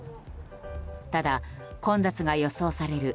ただ、混雑が予想される